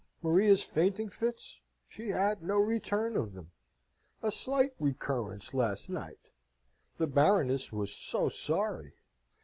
Maria's fainting fits? She had no return of them. A slight recurrence last night. The Baroness was so sorry!